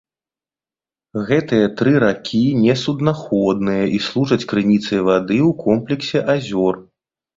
Гэтыя тры ракі не суднаходныя і служаць крыніцай вады ў комплексе азёр.